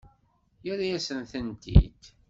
Yerra-yasen-tent-id.